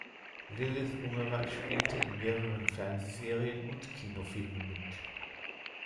Lilith Ungerer spielte in mehreren Fernsehserien und Kinofilmen mit.